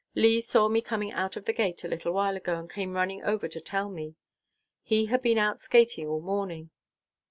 Lee saw me coming out of the gate a little while ago, and came running over to tell me. He had been out skating all morning.